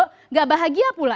tidak bahagia pula